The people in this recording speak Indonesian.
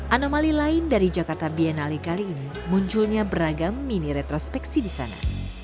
anomali lain dari jakarta biennale kali ini munculnya beragam mini retrospeksi di sana